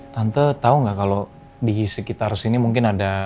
tante tau gak kalau di sekitar sini mungkin ada